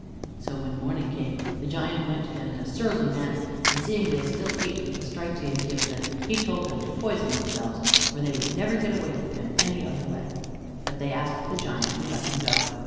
So when morning came, the giant went to them in a surly manner, and seeing they still ached with the stripes he had given them, he told them to poison themselves, for they would never get away from him in any other way. But they asked the giant to let them go.